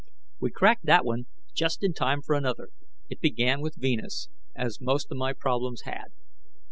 We cracked that one, just in time for another. It began with Venus, as most of my problems had.